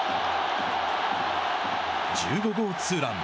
１５号ツーラン。